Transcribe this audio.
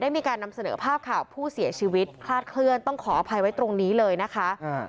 มีการนำเสนอภาพข่าวผู้เสียชีวิตคลาดเคลื่อนต้องขออภัยไว้ตรงนี้เลยนะคะ